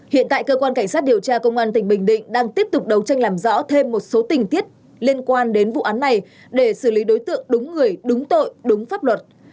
hiện tại cơ quan cảnh sát điều tra công an tỉnh bình định đang tiếp tục đấu tranh làm rõ thêm một số tình tiết liên quan đến vụ án này để xử lý đối tượng đúng người đúng tội đúng pháp luật